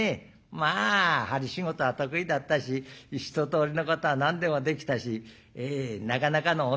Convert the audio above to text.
まあ針仕事は得意だったし一とおりのことは何でもできたしなかなかの女でございました」。